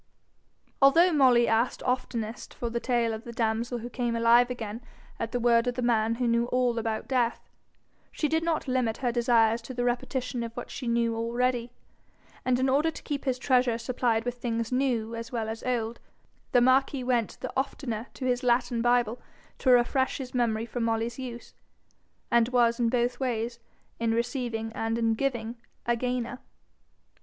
Although Molly asked oftenest for the tale of the damsel who came alive again at the word of the man who knew all about death, she did not limit her desires to the repetition of what she knew already; and in order to keep his treasure supplied with things new as well as old, the marquis went the oftener to his Latin bible to refresh his memory for Molly's use, and was in both ways, in receiving and in giving, a gainer.